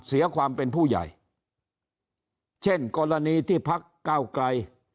เสียความเป็นผู้ใหญ่เช่นกรณีที่พักเก้าไกล